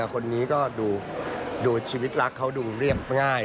คนนี้ก็ดูชีวิตรักเขาดูเรียบง่าย